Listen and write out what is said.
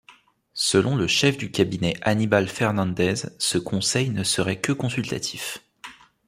Selon le chef du cabinet Aníbal Fernández, ce conseil ne serait que consultatif.